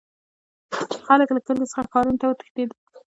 خلک له کلیو څخه ښارونو ته وتښتیدل.